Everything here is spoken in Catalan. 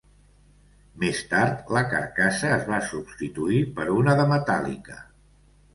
Més tard, la carcassa es va substituir per una de metàl·lica.